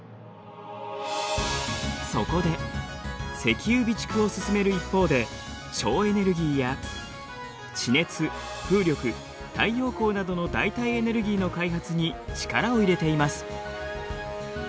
そこで石油備蓄を進める一方で省エネルギーや地熱風力太陽光などの代替エネルギーの開発に力を入れています。